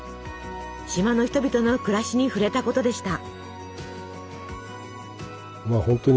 島の人々の暮らしに触れたことでした。